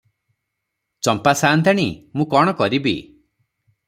ଚମ୍ପା ସାଆନ୍ତାଣୀ, ମୁଁ କଣ କରିବି ।